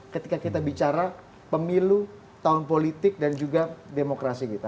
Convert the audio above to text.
ketika kita bicara pemilu tahun politik dan juga demokrasi kita